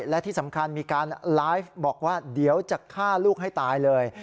และที่สำคัญมีการไลฟ์บอกว่าเดี๋ยวจะฆ่าลูกให้ตายเลย